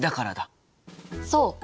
そう。